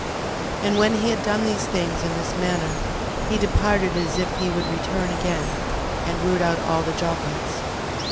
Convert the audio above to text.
12:7. And when he had done these things in this manner, he departed as if he would return again, and root out all the Joppites.